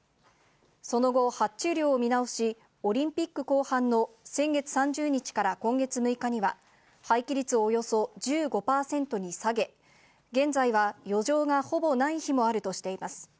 その後、発注量を見直し、オリンピック後半の先月３０日から今月６日には、廃棄率をおよそ１５％に下げ、現在は余剰がほぼない日もあるとしています。